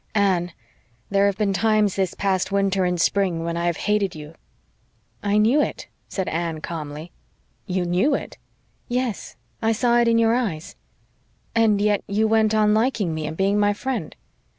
Anne, there have been times this past winter and spring when I have HATED you." "I KNEW it," said Anne calmly. "You KNEW it?" "Yes, I saw it in your eyes." "And yet you went on liking me and being my friend."